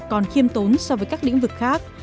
còn khiêm tốn so với các lĩnh vực khác